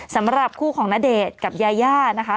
สำหรับคู่ของณเดชน์กับยาย่านะคะ